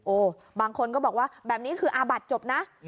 บางคนก็บอกว่าแบบนี้คืออาบัติจบนะ